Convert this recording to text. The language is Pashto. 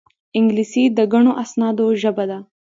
انګلیسي د ګڼو اسنادو ژبه ده